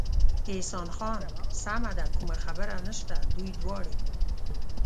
احسان خان: سمه ده، کومه خبره نشته، دوی دواړې.